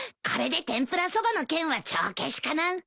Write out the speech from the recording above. これで天ぷらそばの件は帳消しかな。